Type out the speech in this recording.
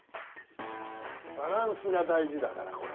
バランスが大事だからこれ。